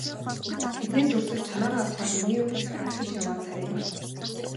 Тэднээс өрсөж чамайгаа аврахаар миний угтаж яваа царай энэ.